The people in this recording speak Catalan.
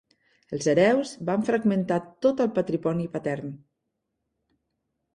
Els hereus van fragmentar tot el patrimoni patern.